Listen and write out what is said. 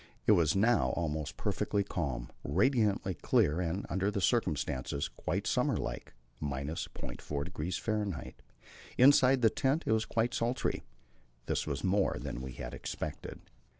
It was now almost perfectly calm, radiantly clear, and, under the circumstances, quite summer like: 0.4° F. Inside the tent it was quite sultry. This was more than we had expected.